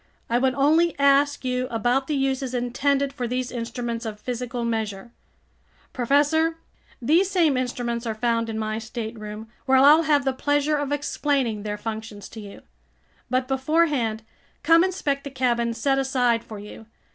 I would only ask you about the uses intended for these instruments of physical measure—" "Professor, these same instruments are found in my stateroom, where I'll have the pleasure of explaining their functions to you. But beforehand, come inspect the cabin set aside for you.